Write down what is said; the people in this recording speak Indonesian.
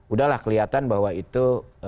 udahlah kelihatan bahwa itu